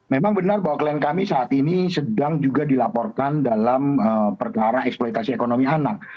memang benar bahwa klien kami saat ini sedang juga dilaporkan dalam perkara eksploitasi ekonomi anak